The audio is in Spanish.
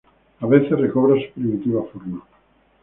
A veces recobra su primitiva forma.